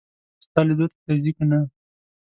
ستا لیدو ته درځي که نه.